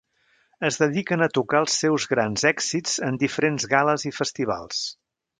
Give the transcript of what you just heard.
Es dediquen a tocar els seus grans èxits en diferents gal·les i festivals.